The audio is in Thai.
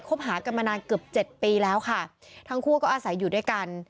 หากันมานานเกือบเจ็ดปีแล้วค่ะทั้งคู่ก็อาศัยอยู่ด้วยกัน